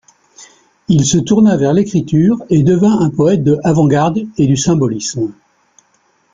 Il se tourna vers l'écriture et devint un poète de Avant-garde et du symbolisme.